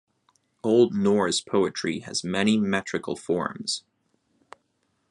Old Norse poetry has many metrical forms.